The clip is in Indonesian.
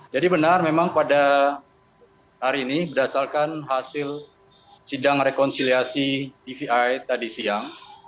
jadi benar memang pada hari ini berdasarkan hasil sidang rekonsiliasi dvi tadi siang